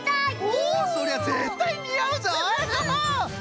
おそりゃぜったいにあうぞい！